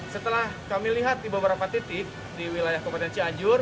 setelah kami lihat di beberapa titik di wilayah kabupaten cianjur